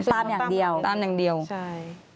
ตามอย่างเดียวตามอย่างเดียวใช่